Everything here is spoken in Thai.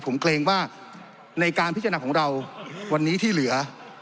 ผมเกรงว่าในการพิจารณาของเราวันนี้ที่เหลือ